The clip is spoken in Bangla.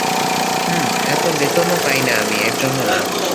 হুম, এত বেতনও পাই না আমি এর জন্য, না।